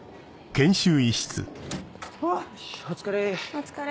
お疲れ。